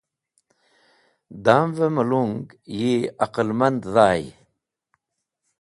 Damvẽ melong yi aqlmand dhay.